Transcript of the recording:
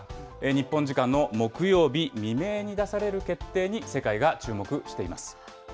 日本時間の木曜日未明に出される決定に、世界が注目しています。